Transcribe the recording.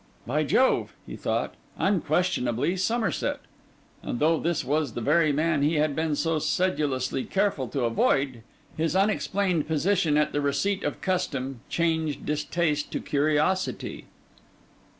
'By Jove,' he thought, 'unquestionably Somerset!' And though this was the very man he had been so sedulously careful to avoid, his unexplained position at the receipt of custom changed distaste to curiosity.